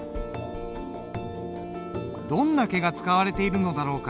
どんな毛が使われているのだろうか。